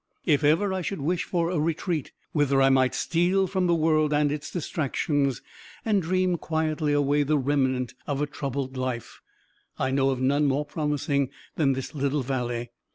If ever I should wish for a retreat whither I might steal from the world and its distractions, and dream quietly away the remnant of a troubled life, I know of none more promising than this little valley.